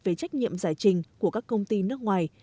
về trách nhiệm giải trình của các công ty nước ngoài